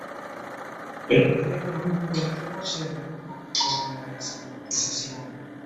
El poder económico del clero se redujo con la desamortización.